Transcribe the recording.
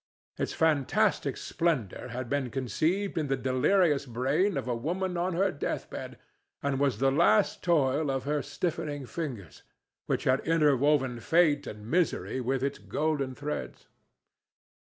Its fantastic splendor had been conceived in the delirious brain of a woman on her death bed and was the last toil of her stiffening fingers, which had interwoven fate and misery with its golden threads.